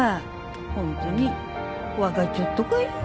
ホントに分かっちょっとかよ？